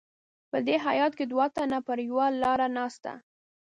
په دې هیات کې دوه تنه پر یوه لار نسته.